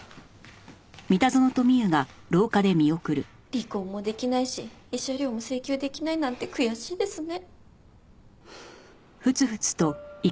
離婚もできないし慰謝料も請求できないなんて悔しいですね。